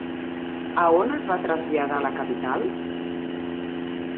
A on es va traslladar la capital?